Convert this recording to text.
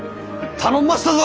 頼みましたぞ。